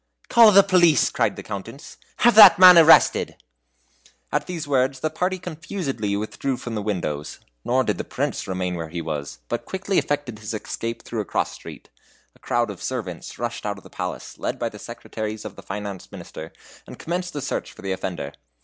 "Call the police!" cried the Countess. "Have that man arrested!" At these words the party confusedly withdrew from the windows. Nor did the Prince remain where he was, but quickly effected his escape through a cross street. A crowd of servants rushed out of the palace, led by the secretaries of the Finance Minister, and commenced a search for the offender.